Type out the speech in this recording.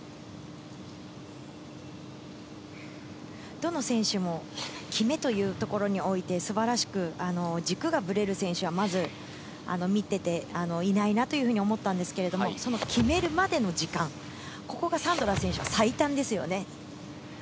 どの選手も、決めというところにおいて素晴らしく、軸がブレる選手はまず、見ていていないなというふうに思ったんですけれど、決めるまでの時間、ここがサンドラ選手は最短ですよね。